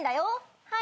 はい。